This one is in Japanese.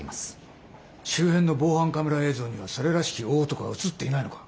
周辺の防犯カメラ映像にはそれらしき大男が写っていないのか？